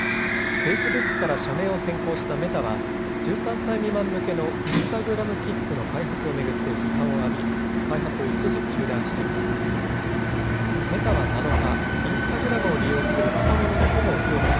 フェイスブックから社名を変更したメタは１３歳未満向けのインスタグラム・キッズの開発を巡って批判を浴び、開発を一時、中断しています。